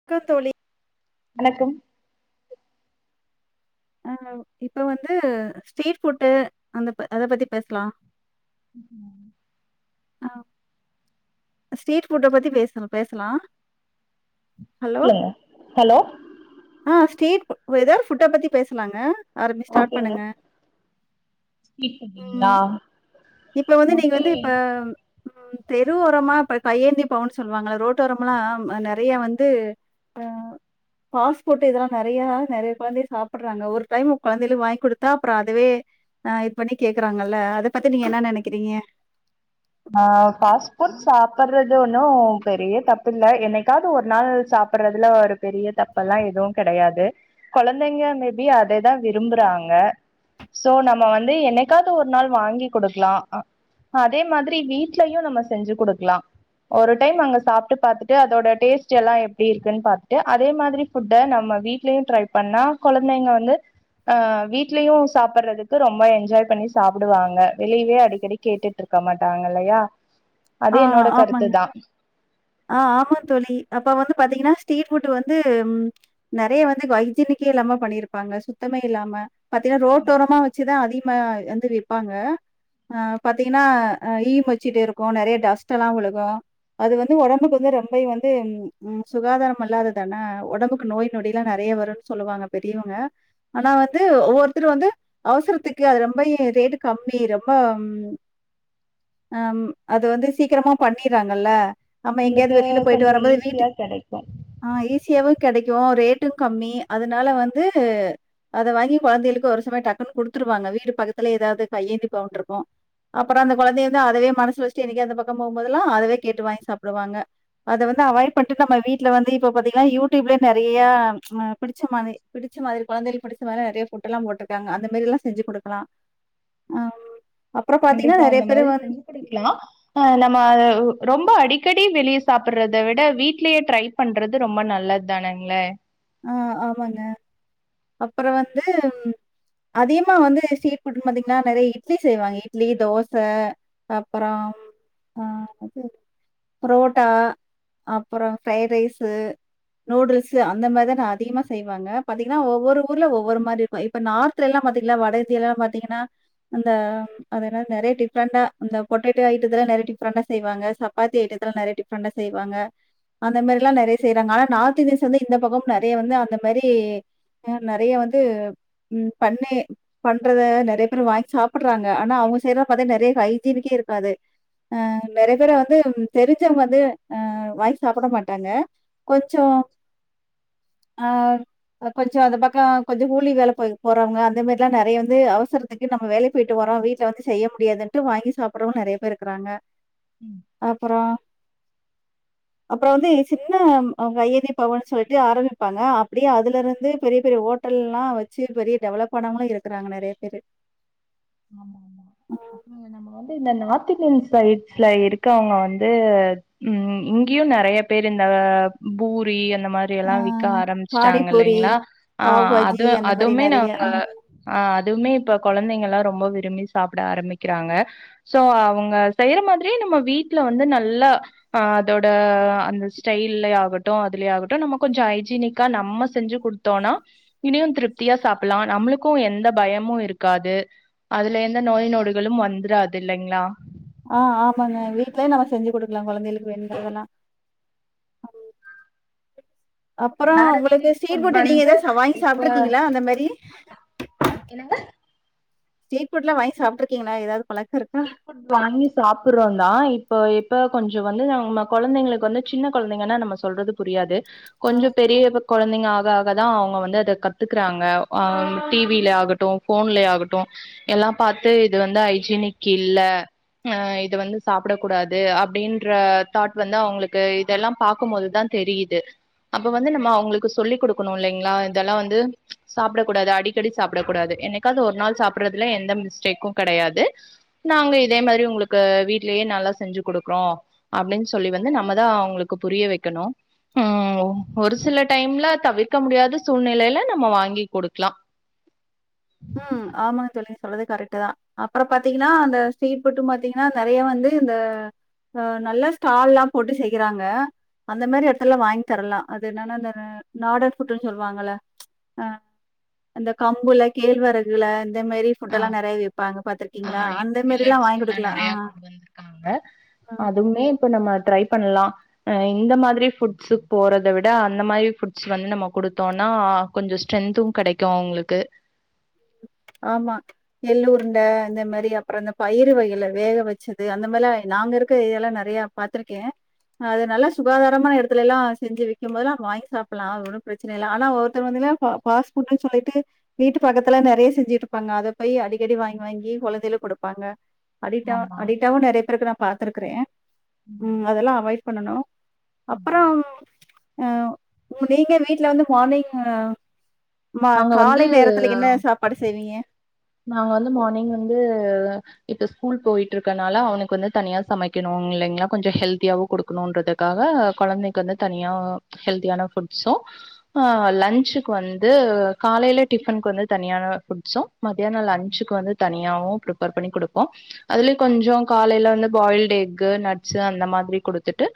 அக்கா தோழி வணக்கம் ஆஹ இப்ப வந்து ஸ்ட்ரீட் ஃபுட்டு அந்த அத பத்தி பேசலா. ஆஹ் ஸ்ட்ரீட் ஃபுட் பத்தி பேச பேசலா சொல்லுங்க ஹலோ ஸ்ட்ரீ வெதர் ஃபுட்ட பத்தி பேசலாங்க. ஆரம்பி ஸ்டார்ட் ஓகேங்க பண்ணுங்க. ஸ்வீட் பண்ணுவீங்ளா ம் இப்ப வந்து நீங்க வந்து இப்ப ம் தெரு வோரமா இப்ப கையேந்தி பவுன்னு சொல்வாங்கல்ல ரோட்டோரம்ல்லா நெறயா வந்து ஆஹ பாஸ் ஃபுட் எதோ நெறயா நெறயா கொழந்தைய சாப்பிடுறாங்க ஒரு டைம் கொழந்தைல வாங்கி குடுத்தா அப்புறோ அதுவே இது பண்ணி கேக்குறாங்கல்ல அத பத்தி த்தி நீங்க என்ன நினைக்கறீங்க. ஹ் பாஸ்புட் சாப்பிடறது ஒன்னு பெரிய தப்பு இல்ல என்னைக்காவது ஒரு நாள் சாப்பிடறதுல ஒரு பெரிய தப்பெல்லா எதுவு கெடையாது. கொழந்தைங்க மேபி அதேதா விரும்புறாங்க. சோ நம்ம வந்து என்னைக்காவது ஒரு நாள் வாங்கி குடுக்கலா. அதே மாரி தி வீட்லயு நம்ம செஞ்சு குடுக்கலா. ஒரு டைம் அங்க சாப்பிட்டு பாத்துட்டு அதோட டேஸ்ட் எல்லா எப்படி இருக்குன்னு பாத்துட்டு அதே மாரி ஃபுட்ட நம்ம வீட்லயு ட்ரை பண்ணா கொழந்தைங்க வந்து அஹ் வீட்லயு சாப்பிடறதுக்கு ரொம்ப என்ஜாய் பண்ணி சாப்பிடுவாங்க. வெளியவே அடிக்கடி கேட்டுட்டு இருக்க மாட் ட்டாங்கல்லயா. அது என்னோட கருத்துதா ஆஹ் ஆமாந் தோழி அப்ப வந்து பாத்தீங்கன்னா ஸ்ட்ரீட் ஃபுட்டு் வந்து உம் நெறயா வந்து ஹைஜீனிக்கே இல்லாம பண்ணிருப்பாங்க. சுத்தமே இல்லாம பாத்தீங்கன்னா ரோடோரமா வெச்சுதா அதி மா வந்து விப்பாங்க பாத்தீங்கன்னா ஈ மொச்சிட்டு இருக்கு நெறயா டஸ்ட் எல்லா விழுகு அது வந் து ஒடம்புக்கு வந்து ரொம்பயு வந்து உ சுகாதாரம் இல்லாததானே ஒடம்புக்கு நோய் நொடி எல்லா நெறயா வருனு சொல்வாங்க பெரியவங்க ஆனா வந்து ஒவ்வொருத்தரு வந்து அவசரத்துக்கு அது ரொம்பய் ரேட்டு கம்மி ரொம்ப ஹம் ஹம் அது வந்து சீக்கிரமா பண்ணிர்றாங்கல்ல ஆமா எங்கேயாவது நம்மளுக்கு வெளியில போயிட்டு கொஞ்சோ வரும்போது வீட்டு ஈஸியா கெடைக்கு ஆஹ் ஈஸியாவு கிடைக்கும் ரேட்டு கம்மி அதனால வந்து அத வாங்கி குழந்தைகளுக்கு ஒரு சமயம் டக்குன்னு கொடுத்துருவாங்க. வீடு பக்கத்துல ஏதாவது கையேந்தி பவண்யிருக்கும் அப்புறோ அந்த குழந்தையை வந்து அதவே மனசுல வச்சுட்டு என்னைக்கே அந்த பக்கம் போகும்போதல்லா அதவே கேட்டு வாங்கி சாப் டுவாங்க அத வந்து அவாய்ட் பண்ணிட்டு நம்ம வீட்டுல வந்து இப்ப பாத்தீங்கன்னா யூடியூப்லயே நிறையஹ ச் புடிச்ச மாதிரி புடிச்ச மாதிரி குழந்தை புடிச்ச மாதிரிய நிறைய ஃபுட் எல்லா போட்டிருக்காங்க அந்த மாதிரில்லா செஞ்சு கொடுக்கலா ஹ கண்டிப்பா அந்த மாதிரி செஞ்சு குடுக்கலா அஹ் நம்ம உ ரொம்ப அடிக்கடி வெளியே சாப்பிடுறதை விட வீட்லயே ட்ரை பண்றது ரொம்ப நல்லது தானேங்களே ஆஹ் ஆமாங்க அப்புறோ வந்து அதிகமா வந்து ஸ்ட்ரீட் ஃபுட் பாத்தீங்கன்னா நெறைய இட்லி செய்வாங்க இட்லி தோச அப்புறோ அஹ் புரோட்டா அப்புறோ ஃபிரைடு ரைஸு நூடுல்ஸ் அந்த மார்தன அதிகமா செய்வாங்க பாத்திங்னா ஒவ்வொரு ஊர்ல ஒவ்வொரு மாரி இர்க்கு இப்ப நார்த்லெலா பாத்திங்ளா வட இந்தியால பாத்தீங்கனா அந்த ம் அதென்னது நெறய டிஃப்ரெண்டா அந்த பொட்டேட்டோ ஐட்டத்தலா நெறய டிஃப்ரெண்டா செய்வாங்க சப்பாத்தி ஐட்டத்தலா நெறய டிஃப்ரெண்டா செய்வாங்க அந்த மாரிலா நறய செய்றாங்க ஆனா நார்த் இந்தியன்ஸ் வந்து இந்த பக்கம் நெறைய வந்து அந்த மாரி அ நெறைய வந்து ம் பண்ணி பண்றத நெறைய பேரு வாங் சாப்புட்றாங்க ஆனா அவுங்க செய்ற பாத்த நெறைய ஹைஜீனிக்கே இருக்காது அ நெறைய பேர வந்து ம்‌ தெரிஞ்சவுங்க வந்து அ வாங்கி சாப்புட மாட்டாங்க கொஞ்சோ ஆ கொஞ்சொ அந்த பக்கொ கொஞ்ச கூலி வேல போய போறவங்க அந்த மாரில்லா நெறைய வந்து அவசரத்துக்கு நம்ம வேலை போயிட்டு வரோ வீட்ல வந்து செய்ய முடியாதுன்ட்டு வாங்கி சாப்புடுறவ நெறைய பேர் இருக்குறாங்க ம் அப்பறோ அப்புறோ வந்து சித்னம் அ கையேந்தி பவன் சொல்ட்டு ஆரம்மிப்பாங்க அப்டியே அதுலருந்து பெரிய பெரிய ஹோட்டல்லா வச்சு பெரிய டெவலப் பானவங்களு இருக்குறாங்க நெறைய பேரு ஆமா ஆமா அப்ரோ நம்ம வந்து இந்த நாத் த்துஇந்தியன் சைட்ஸ்ல இருக்கவுங்க வந்து உம் இங்யு நெறைய பேர் இந்த அ பூரி அந் இந்த ஆ மாரியெல்லா விக்க பானிபூரி, ஆரம்மிச்ட்டாங்கள்லைங்ளா ஆ பாவ் பாஜி அது அந்த மாரி அதுவ்மே நெறைய. நாங்க ஆ அ அதுவ்மே இப்ப கொழந்தைங்கள் ரொம்ப விரும்பி சாப்புட ஆரம்மிக்கிறாங்க சோ அவுங்க செய்ற மாதிரியே நம்ம வீட்ல வந்து நல்ல அ அதோட அந்த ஸ்டைல்லெ ஆகட்டு அதுலே ஆகட்டு நம்ம கொஞ்சோ ஹைஜீனிக்கா நம்ம செஞ்சு குடுத்தோன்னா இனியு திருப்தியா சாப்புல்லா நம்மளுக்கூ எந்த பயமு இருக்காது அதுல எந்த நோய் நொடுகளும் வந்துராதில்லைங்ளா ஆ ஆமாங்க வீட்லே நம்ம செஞ்சு குடுக்லா கொழந்தைளுக்கு வேணுங்குறதெல்லா அப்பறோ உங்களுக்கு ஸ்ட்ரீட்ஃபுட்டு நீங்க எதாச்ச வாங்கி சாப்ட்ருக்கீங்களா அந்த மாரி ஸ்ரிட்ஃபுட்லா வாங்கி சாப்ட்ருக்கீங்ளா எத ஸ்ட்ரீட் ஃபுட் வாங்கி சாப்புறோந்தா இப்போ எப் ப கொஞ்சொ வந்து நம்ம கொழந்தைங்களுக் வந்து சின்ன கொழந்தைங்கனா நம்ம சொல்றது புரியாது ஆ. கொஞ்சொ பெரிய ப கொழந்தைங்க ஆக ஆக தா அவுங்க வந்து அத கத்துக்குறாங்க ஆ டி வில ஆகட்டு ஃபோன்லெ ஆகட்டு எல்லாம் பாத்து இது வந்து ஐஜீனிக் இல்ல அ இத வந்து சாப்புடக் கூடாது அப்டின்ற தாட் வந்து அவுங்களுக்கு இதெல்லா பாக்கும் போதுதா தெரியிது அப்ப வந்து நம்ம அவுங்களுக்கு சொல்லிக் குடுக்கணுல்லைங்ளா இதெல்லா வந்து சாப்டக் கூடாது அடிக்கடி சாப்டக் கூடாது என்னக்காது ஒர் நாள் சாப்புட்றதுல எந்த மிஸ்டேக்கு கெடையாது நாங்க இதே மாரி உங்ளுக்கு வீட்லெயே நல்லா செஞ்சு குடுக்றோ அப்டின் சொல்லி வந்து நம்மதா அவுங்ளுக்கு புரிய வெக்கணு உம் ஒரு சில டைம்ல தவிர்க்க முடியாத சூழ்நெலைல நம்ம வாங்கி குடுக்லா உம் ஆமாங் சொல்லுங்க சொல்றதே கரெக்ட்டு தா அப்பற பாத்தீகனா அந்த ஸ்ட்ரீட்ஃபுட்டு மாத்தீங்கனா நெறய வந்து இந்த ஆ நல்ல ஸ்டால்லா போட்டு செய்யறாங்க அந்த மாரி எட்த்தல வாங் தரலா அது என்னன்னா அ நாடர்ஃபுட்டுன் சொல்வாங்கல அ அந்த கம்புல கேழ்வரகுல இந்த மாரி ஆ ஃபுட்டெல்லா நெறைய விப்பாங்க பாத்துரு ஆ இப்ப மில்லட்‌ எல்லா நெறைய கொண்டு வந்துருக்காங்க அ அதுமே இப்ப நம்ம ட்ரை பண்லா அ இந்த மாரி ஃபுட்ஸுக் போறத விட அந்த மாரி ஃபுட்ஸ் வந்து நம்ம குடுத்தோன்னா கொஞ்சொ ஸ்ட்ரென்து கெடைக்கூ அவுங்ளுக்கு ஆமா எள்ளுஉருண்ட இந்த மாரி அப்ற இந்த பயிறு வகைல வேக வச்சது அந்த மார்லா நாங்க இருக்க ஏயால நெறைய பாத்துருக்கே அது நல்லா சுகாதாரமா எடத்துலெல்லா செஞ்சு விக்கும் போதுலா வாங்கி சாப்புல்லா ஒனு ப்ரச்சன இல்ல ஆனா ஒருத்தர் வந்துல ப ஃபாஸ்ஃபுட்டு சொல்லிட்டு வீட்டு பக்கத் துல நெறைய செஞ்சுட்ருப்பாங்க அத போய் அடிகடி வாங் வாங்கி கொழந்தைல குடுப்பாங்க அடிட்டா ஆமா அடிட்டாவு நெறைய பேருக்கு நா பாத்துருக்குறே உம் ம் அதெல்லா அவாய் பண்ணணு அப்ரோ ஆ ஒ நீங்க வீட்ல வந்து மார்னிங் ஆ ம நாங்க வந்து காலை நேரத்துல என்ன படு செய்வீங்க நாங்க வந்து மார்னிங் வந்து இப்ப ஸ்கூல் போயிட்ருக்கனால அவனுக்கு வந்து தனியா சமைக்கணு இல்லைங்ளா கொஞ்சொ ஹெல்தியாவு குடுக்கணுன்றதுக்காக கொழந்தைக்கு வந்து தனியா ஹெல்தியான ஃபுட்ஸு ஆ லன்ச்சுக்கு வந்து காலைல டிஃபன்க்கு வந்து தனியான ஃபுட்ஸு மத்யானொ லஞ்சுக்கு வந்து தனியாவு ப்ரிப்பேர் பண்ணி குடுப்போ அதுலே கொஞ்சொ காலைல வந்து பாயில்டு எக்கு நட்ஸு அந்த மாதிரி குடுத்துட்டு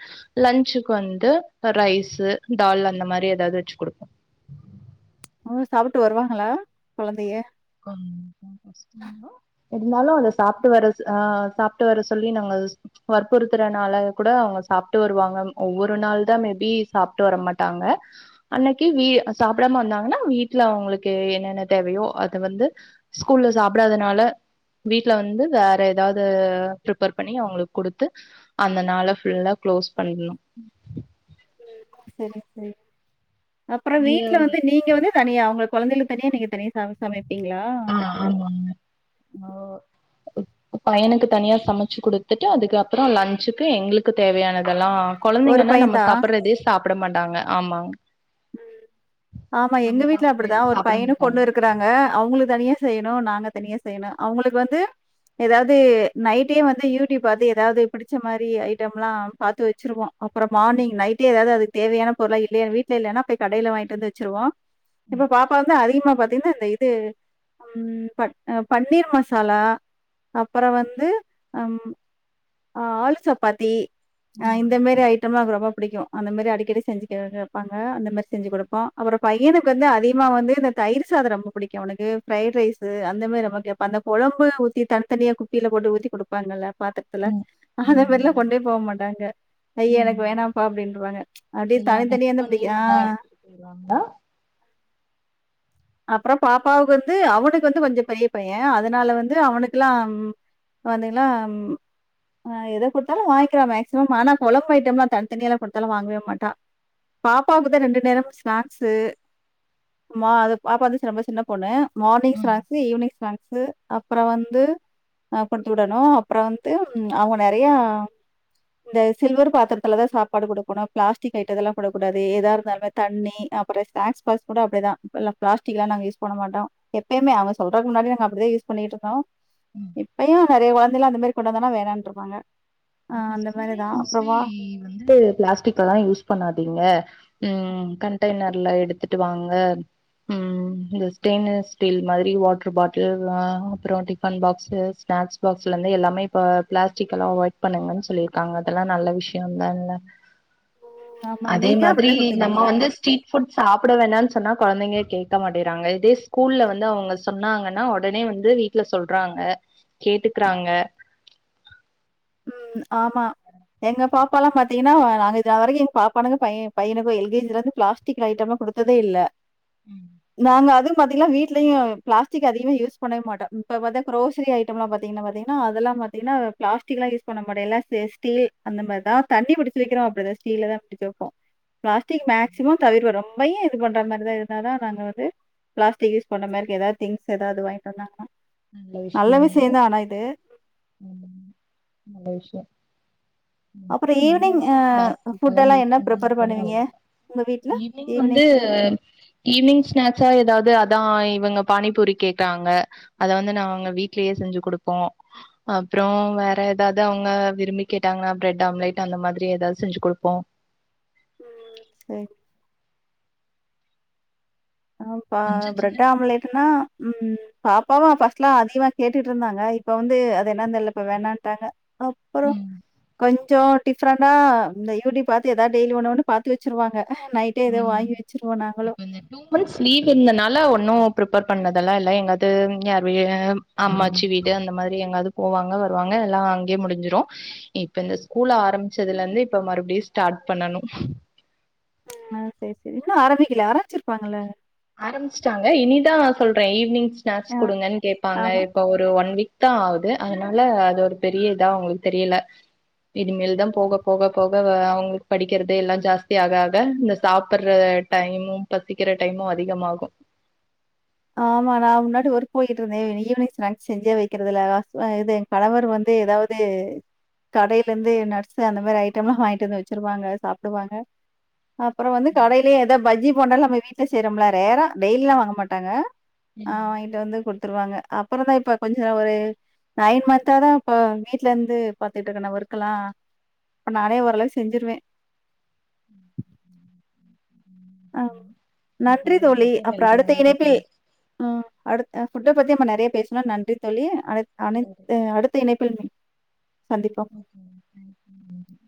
லஞ்சுக்கு வந்து ரைஸு தால் அந்த மாரி எதாது வச்சு குடுப்போ ஓ சாப்புட்டு வருவாகளா கொழந்தைய இருந்தாலு அத சாப்ட்டு வர ஆ சாப்ட்டு வர சொல்லி நாங்க வற்புறுத்துறனால கூட அவுங்க சாப்ட்டு வருவாங்க ஒவ்வொரு நாள் தா மேபி சாப்ட்டு வர மாட்டாங்க அன்னக்கி வீ சாப்டாம வந்தாங்கனா வீட்ல அவுங்களுக்கு என்னென்ன தேவயோ அ த வந்து ஸ்கூல்ல சாப்டாதனால வீட்ல வந்து வேற எதாவ்து ப்ரிப்பர் பண்ணி அவுங்களுக்கு குடுத்து அந்தனால ஃபுல்லா குளோஸ் பண்ணிடுணு சேரி சேர் அப்பறோ வீட்ல வந்து நீங்க வந்து தனியா அவங்க கொழந்தைகளுக்கு தனிய நிங்கதனிய சமைச் சமை டிங்ளா ஓ பையனுக்கு தனியா சமைச்சு குடுத்துட்டு அதுக்கப்பறோ லஞ்சுக்கு எங்களுக்கு தேவையானதெல்லா ஒரு கொழந்தைங்கன்னா நம்ம பையன்தா? சப்டுறதே சாப் பிடமட்டாங்க ஆமா ஆமா எங்க வீட்ல அப்டிதான் ஒரு சாப்ட பையனும் மாட்டாங்க பொண்ணு இருக்கிறாங்க அவங்களுக்கு தனியா செய்யணு நாங்க தனியா செய்யணு அவங்களுக்கு வந்து ஏதாவது நைட்டே வந்து யூடியூப் பாத்து எதாவது பிடிச்ச மாரி ஐட்டம்லாம் பாத்து வச்சிருவோ அப்பறோ மார்னிங் நைட்டு ஏதாவது அதுக்கு தேவையான பொருளா இல்லைய வீட் வீட்ல இல்லன்னா போய் கடைல வாங்கிட்டு வந்து வச்சுருவோ இப்ப பாப்பாவந்து அதிகம சும்மா பாத்தீங்தின்னா இந்த இது ம்ம் பன்னீர் மசாலா அப்பறோ வந்து ஆளு சப்பாத்தி ஆஹ் இந்த மேரி ஐட்டம் எல்லாம் ரொம்ப பிடிக்கூ அந்த மேரி அடிக்கடி செஞ்சு [unintelligible] பாங்க அந்த இந்த மாரி செஞ்சு கொடுப்போ அவருப் பையனுக்கு வந்து அதிகமா வந்து இந்த தயிர் சாதம் ரொம்ப பிடிக்கூ அவனுக்கு ஃப்ரைட் ரைஸு அந்த மாரி ரொம்ப கேட்பா அந்த குழம்பு ஊற்றி தனித்தனியாக குப்பியில போட்டு ஊத்தி கொடுப்பாங்கல்ல பாத்திரத்துல அந்த மாரிலா கொண்டே போக மாட்டாங்க ஐய எனக்கு வேணாம்ப்பா அப்படின்றுவாங்க ச் அப்படியே தனித்தனிய அந்த நீ ஒன்னா எடுத்துட்டு போய்டுவாங்களா அப்றோ பாப்பாவுக்கு வந்து அவனுக்கு வந்து கொஞ்சோ பெரிய பையன் அதனால வந்து அவனுக்குலா ம்ம் வந்தீங்களா ம்ம் ஆஹ எதை கொடுத்தாலு வாங்கிக்கிறான் மேக்சிமம் ஆனா கொழம்பு ஐட்டம்லாம் தனித்தனிய கொடுத்தாலும் வாங்கவே மாட்டான் பாப்பாவுக்கு தான் ரெண்டு நேரம் ஸ்நாக்ஸு ஆமா அது பாப்பா வந்து ரொம்ப சின்ன பொண்ணு மார்னி ஸ்நாக்ஸ்சு ஈவினிங் ஸ்நாக்ஸ்சு அப்பறோ வந்து [unintelligible] அப்பறோ வந்து அவுங்கநெறைய இந்த சில்வர் பாத்திரத்துல தான் சாப்பாடு கொடுக்கணு பிளாஸ்டிக் ஐட்ட இதெல்லாம் போடக்கூடது ஏதா இருந்தாலுே தண்ணி அப்பறோ ஸ்நாக்ஸ் பஸ் கூட அப்படிதான் இப்பல்ல பிளாஸ்டிக் எல்லம் நாங்க யூஸ் பண்ண மாட்டேன் எப்புமே அவுங்க சொல்றக்கு முன்னாடி நாங்க அப்டிதான் யூஸ் பண்ணிட்டு இருந்தோ இப்பயு நறைய கொழந்தைலாம் அந்த மாரி கொண்டாந்தானா வேனன்னுடிருப்வாங்க இப்ப ஸ்கூல்லய மோஸ்ட்லி வந்து பிளாஸ்டிக்லாம் யூஸ் பண்ணாதீங்க உம் கண்டெய்னர்ல எடுத்துட்டு வாங்க உம் இந்த ஸ்டெயின்லஸ் ஸ்டீல் மாதிரி வாட்டர் பாட்டில் அப்பறோ டிபன் பாக்ஸ் ஸ்நாக்ஸ் பாக்ஸ் எல்லாமே இப்ப பிளாஸ்டிக் எல்லாம் அவாய்ட் பண்ணுங்கன்னு சொல்லியிருக்காங்க அதெல்லாம் நல்ல விஷயம்தான்ல்ல ஆமா. அதே நீங்க மாதிரி அப்படிதான் குடுத்து நம்ம விடுவீங்களா? வந்து ஸ்ட்ரீட் ஃபுட் சாப்ட வேணான்னு சொ சொன்னா கொழந்தைங்க கேட்க மாட்டிறாங்க இதே ஸ்கூல்ல வந்து அவங்க சொன்னாங்கன்னா உடனே வந்து வீடல சொல்றாங்க கேட்டுக்குறாங்க உம் ஆமா எங்க பாப்பாலம் பாத்தீங்கன்னா நாங்க இதுவரைக்கூ எங்க பாப்பானுக்கூ பையன் பையனுக்கூ எல்கேஜில இருந்து பிளாஸ்டிக் ஐட்டம்லாம் கொடுத்ததே இல்ல நாங்க அதும் பாத்தீங்கன்னா வீட்டலையும் பிளஸ்டிக் அதிகம யூஸ் பண்ண மாட்டோ இப்ப பார்த்தா குரோசரி ஐட்டம் எல்லாம் பாத்தீங்கன்னா பாத்தீங்கன்னா அது எல்லாம் பாத்தீங்கன்னா பிளஸ் பிஸ்டிக்லாம் யூஸ் பண்ண மாட்டோ எல்லா ஸ்டீல் அந்த மாரிதான் தண்ணிபுடிச்சு வைகிறோ அப்டின ஸ்டில்ல தான் பிடிச்சு வைப்போ பிளாஸ்டிக் மேக்சிமம் திவிர ரொம்ப [unintelligible] நாங்க வந்து பிளாஸ்டிக் யூஸ் பண்ன மாரி திங்ஸ் ஏதாவது வாங்கிட்டு வந்தாங்கன நல்ல நல்லா விசயம்தா ஆனா இது ஆமாமா நல்ல விஷ்யோ அப்புறம் மோஸ்ட்லி முடிஞ்ச ஈவினிங் அ அளவுக்கு பிளாஸ்டிக் எல்லா ஃபுட்டெல்லாம் யூஸ் என்ன பண்ணாம ப்ரிப்பேர் இருக்கறது பண்ணுவீங்க? நல்லத்தா உங்க வீட்ல ஈவ்னிங் ஈவினிங்? வந்து ஈவ்னிங் ஸ்நாக்ஸா எதாவ்து அதா இவுங்க பானிபூரி கேட்டாங்க அத வந்து நாங்க வீட்லியே செஞ்சு குடுப்போ அப்புறோ வேற எதாவது அவுங்க விரும்பி கேட்டாங்கனா பிரெட் ஆம்லெட் அந்த மாதிரி எதாவது செஞ்சு குடுப்போ செர் ஆ பா கொஞ்ச பிரெட் சின்ன ஆம்லேட்னா ம் ம் பாப்பாவு ஃபஸ்ட்லா அதிகமா கேட்டுட்ருந்தாங்க இப்ப வந்து அது என்னான் தெர்ல இப்ப வேணாண்ட்டாங்க அப்பறோ ம் கொஞ் ச்சோ டிப்ஃரெண்டா இந்த யூடிப் பாத்து எதா டெய்லி ஒன்னு ஒன்னு பாத்து வெச்சுருவாங்க நைட்டே எதோ வாங்கி வெச்சுருவோ நாங்களு மந்த்ஸ் லீவ் இருந்தனால ஒன்னு ப்ரிபேர் பண்ணதெல்லா இல்ல எங்காது யார் வீ அம்மாச்சி வீடு அந்த மாதிரி எங்காவ்து போவாங்க வருவாங்க எல்லா அங்யே முடிஞ்சிரு இப்ப இந்த ஸ்கூல் ஆரம்பிச்சதுலந்து இப்ப மறுபடியு ஸ்டாட் பண்ணணு ஆஹ் செரி செரி இன்னு ஆரம்பிக்கல ஆரம்பிச்சிருப்பாங்கல்ல ஆரம்ச்சிட்டாங்க இனிதா சொல்றே ஈவினிங் ஸ்நாக்ஸ் ஆ குடுங்கன் கேப்பாங்க ஆமா இப்ப ஒரு ஒன் வீக் த்தா ஆவுது அதனால அது ஒரு பெரிய இதா அவுங்களுக் தெரியல இனிமேல் தா போக போக போக வ அவுங்களுக் படிக்கறது எல்லா ஜாஸ்தி ஆக ஆக இந்த சாப்பட்ற டைமும் பசிக்கிற டைமு அதிகமாகு ஆமா நா முன்னாடி ஒர்க் போயிக்கிட்ருந்தே ஈவ் ஈவினிங் ஸ்நாக்ஸ் செஞ்சே வெக்கிறதுல்ல வஸ் வ இது எங் கணவர் வந்து எதாவது கடையிலந்து நட்ஸ் அந்த மாரி ஐட்டம்லா வாய்ங்ட்டு வந்து வெச்சிருவாங்க சாப்டுவாங்க அப்புறோ வந்து கடைலயே எதா பஜ்ஜிப் போண்டாலா நம் வீட்ல சேய்றோம்ல ரேரா டெய்லா வாங்க மாட் ட்டாங்க‌‌ ஆஹ் வாய்ங்ட்டு வந்து குடுத்துருவாங்க அப்பறந்தா இப்ப கொஞ்சோ ஒரு நைன் மன்த்தாதா இப்ப வீட்லந்து பாத்துட்ருக்கனா ஒர்க் எல்லா இப்ப நானே ஓரளவுக் செஞ்சிருவே ஆவ் நன்றி தோழி அப்பற அடுத்த இணைப்பில் உம் அடுத் அ ஃபுட்ட பத்தி நம்ம நெறைய பேசுனோ நன்றி தோழி அழைத் அனைத்து அடுத்த இணைப்பில் மீ ஓகே [unintelligible] தேங்க் யூ நன்றி